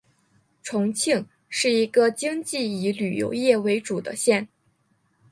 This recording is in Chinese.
重庆是一个经济以旅游业为主的县。